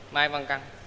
mai văn căn